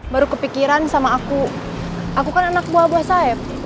baru kepikiran sama aku aku kan anak buah buah saya